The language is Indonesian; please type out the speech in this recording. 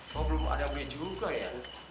kok belum ada yang beli juga ya